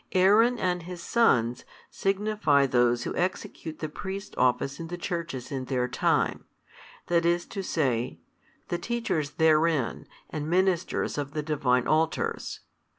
Aaron and his sons signify those who execute the priest's office in the Churches in their time, that is to say, the teachers therein and ministers of the Divine Altars.